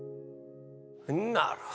なるほど。